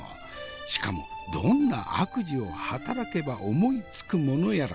しかもどんな悪事を働けば思いつくものやら。